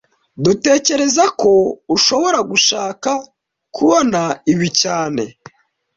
Dutekereza ko ushobora gushaka kubona ibi cyane